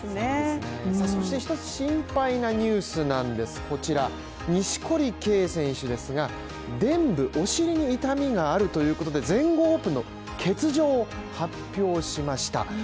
そして一つ心配なニュースなんですこちら錦織圭選手ですが、お尻の痛みがあるということで全豪オープンの欠場を発表しました。